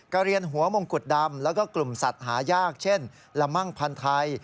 เรียนหัวมงกุฎดำแล้วก็กลุ่มสัตว์หายากเช่นละมั่งพันธ์ไทย